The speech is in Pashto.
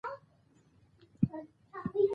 د مشرتابه صداقت ارزښت لري